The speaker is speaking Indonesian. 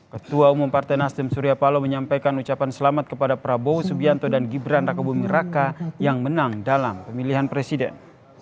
ketua umum partai nasdem surya paloh menyampaikan ucapan selamat kepada prabowo subianto dan gibran raka buming raka yang menang dalam pemilihan presiden